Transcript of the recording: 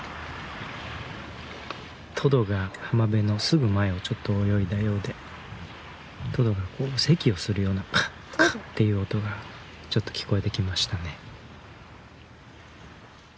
トドが浜辺のすぐ前をちょっと泳いだようでトドがせきをするような「カッカッ」っていう音がちょっと聞こえてきましたね。